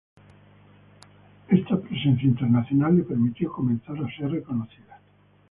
Esta presencia internacional le permitió comenzar a ser reconocida.